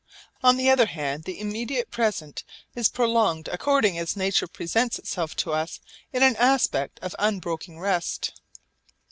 On the other hand the immediate present is prolonged according as nature presents itself to us in an aspect of unbroken rest.